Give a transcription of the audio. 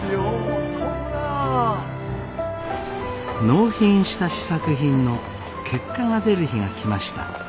納品した試作品の結果が出る日が来ました。